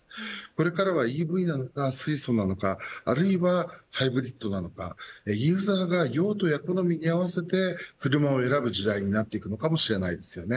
これからはＥＶなのか水素なのかあるいはハイブリッドなのかユーザーが用途や好みに合わせて車を選ぶ時代になっていくかもしれません。